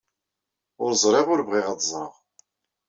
Ur ẓriɣ, ur bɣiɣ ad ẓreɣ.